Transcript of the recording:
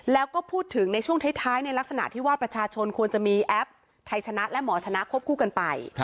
แล้วก็พูดถึงในช่วงท้ายในลักษณะที่ว่าประชาชนควรจะมีแอปไทยชนะและหมอชนะควบคู่กันไป